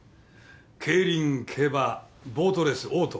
競輪競馬ボートレースオート